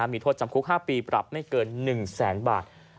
มีโทษจำคุก๕ปีปรับไม่เกิน๑แสนบาท